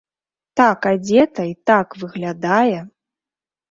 Так адзета і так выглядае!